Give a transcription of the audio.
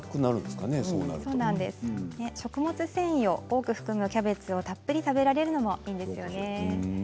食物繊維を多く含むキャベツをたっぷり食べられるのもいいんですね。